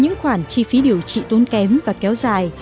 những khoản chi phí điều trị tốn kém và kéo dài